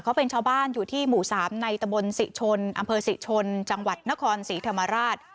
เขาเป็นชาวบ้านอยู่ที่หมู่๓ในตะบนศรีชนอำเภอศรีชนจังหวัดนครศรีธรรมราช